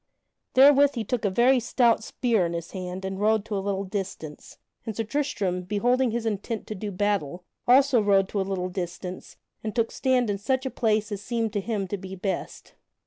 Therewith he took a very stout spear in his hand and rode to a little distance, and Sir Tristram, beholding his intent to do battle, also rode to a little distance, and took stand in such a place as seemed to him to be best.